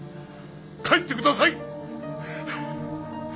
帰ってください！